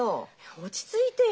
落ち着いてよ